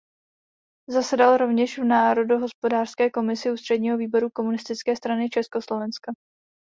Zasedal rovněž v národohospodářské komisi Ústředního výboru Komunistické strany Československa.